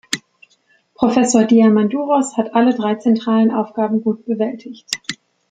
Professor Diamandouros hat alle drei zentralen Aufgaben gut bewältigt.